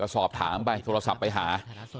สอบถามไปโทรศัพท์ไปหา